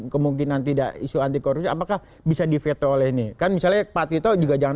kemungkinan tidak isu anti korupsi apakah bisa diveto oleh ini kan misalnya pak tito juga jangan